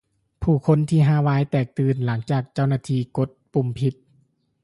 ຜູ້ຄົນທີ່ຮາວາຍແຕກຕື່ນ ຫຼັງເຈົ້າໜ້າທີ່ກົດປຸ່ມຜິດ